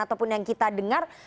ataupun yang kita dengar